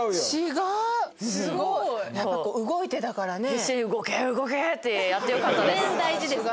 必死に動け動けってやってよかったです。